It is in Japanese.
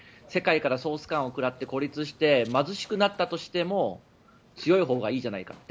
世界から総スカンを食らって貧しくなったとしても強いほうがいいじゃないか。